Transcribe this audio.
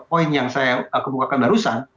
poin yang saya kemukakan barusan